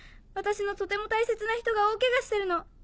私のとても大切な人が大ケガしてるの。